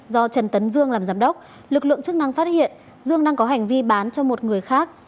do trần tấn dương làm giám đốc lực lượng chức năng phát hiện dương đang có hành vi bán cho một người khác